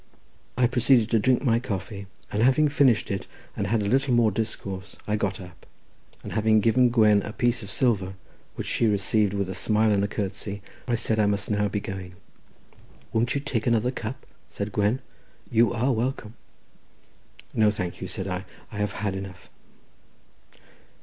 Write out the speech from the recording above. I proceeded to drink my coffee, and having finished it, and had a little more discourse, I got up, and having given Gwen a piece of silver, which she received with a smile and a curtsey, I said I must now be going. "Won't you take another cup?" said Gwen, "you are welcome." "No, thank you," said I; "I have had enough."